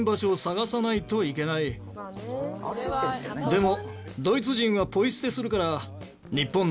でも。